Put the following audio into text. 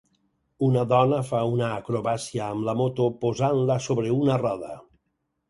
Una dona fa una acrobàcia amb la moto posant-la sobre una roda.